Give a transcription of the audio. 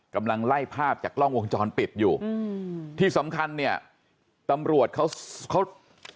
กำลังไล่ภาพจากกล้องวงจรปิดอยู่อืมที่สำคัญเนี่ยตำรวจเขาเขา